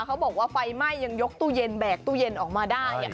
เขาบอกว่าไฟไหม้ยังยกตู้เย็นแบกตู้เย็นออกมาได้